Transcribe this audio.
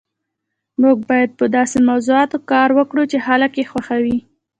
موږ باید په داسې موضوعاتو کار وکړو چې خلک یې خوښوي